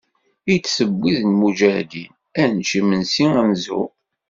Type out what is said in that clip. I d-tewwi d lmuǧahdin, ad nečč imensi ad nezhu.